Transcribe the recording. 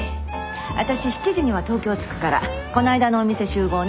私７時には東京着くからこの間のお店集合ね。